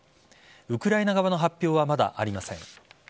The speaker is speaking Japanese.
ウクライナ側の発表はまだありません。